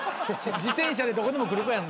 自転車でどこでも来る子。